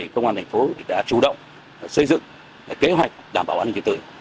công an thành phố đã chủ động xây dựng kế hoạch đảm bảo an ninh trật tự